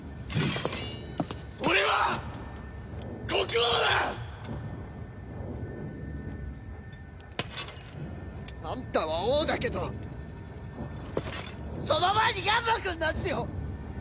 俺は国王だ！あんたは王だけどその前にヤンマくんなんすよ！